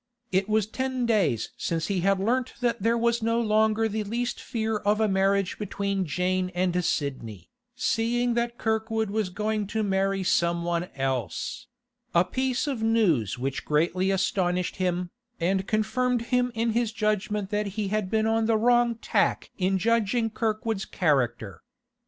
It was ten days since he had learnt that there was no longer the least fear of a marriage between Jane and Sidney, seeing that Kirkwood was going to marry some one else—a piece of news which greatly astonished him, and confirmed him in his judgment that he had been on the wrong tack in judging Kirkwood's character.